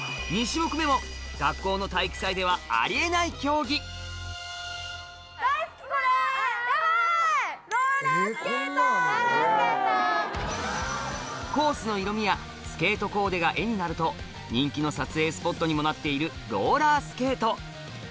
２種目も学校の体育祭ではありえない競技コースの色みやスケートコーデが絵になると人気の撮影スポットにもなっているローラースケート